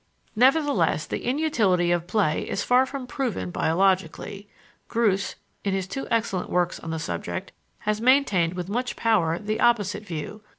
Nevertheless, the inutility of play is far from proven biologically. Groos, in his two excellent works on the subject, has maintained with much power the opposite view.